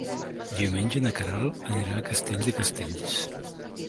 Diumenge na Queralt anirà a Castell de Castells.